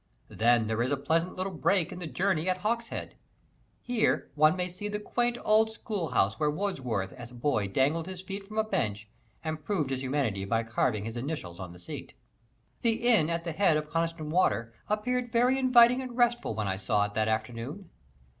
Then there is a pleasant little break in the journey at Hawkshead. Here one may see the quaint old schoolhouse where Wordsworth when a boy dangled his feet from a bench and proved his humanity by carving his initials on the seat. The Inn at the head of Coniston Water appeared very inviting and restful when I saw it that afternoon.